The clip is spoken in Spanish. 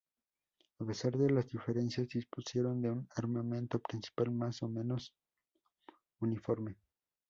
A pesar de las diferencias dispusieron de un armamento principal más o menos uniforme.